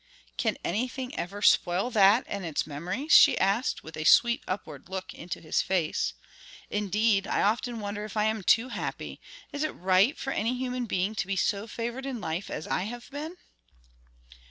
"Can anything ever spoil that and its memories?" she asked, with a sweet upward look into his face. "Indeed, I often wonder if I am too happy; is it right for any human being to be so favored in life as I have been."